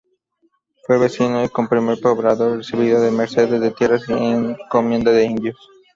Fue vecino y como primer poblador recibió mercedes de tierras y encomienda de indios.